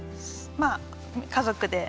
まあ家族で。